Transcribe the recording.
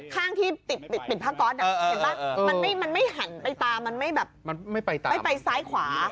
ข้างที่ติดผ้าก๊อตมันไม่หันไปตามมันไม่ไปซ้ายขวา